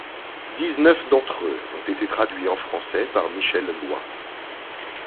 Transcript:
Dix-neuf d'entre eux ont été traduits en français par Michelle Loi.